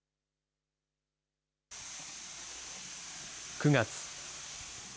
９月。